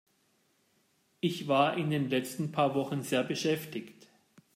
Ich war in den letzten paar Wochen sehr beschäftigt.